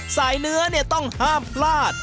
เนื้อต้องห้ามพลาด